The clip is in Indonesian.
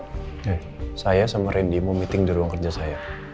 saya sama randy mau meeting di ruang kerja saya